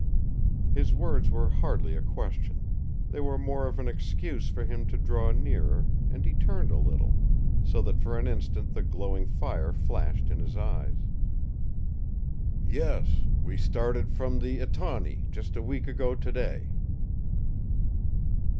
His words were hardly a question. They were more of an excuse for him to draw nearer, and he turned a little, so that for an instant the glowing fire flashed in his eyes. "Yes, we started from the Etawney just a week ago to day."